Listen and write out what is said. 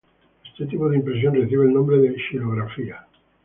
Este tipo de impresión recibe el nombre de xilografía.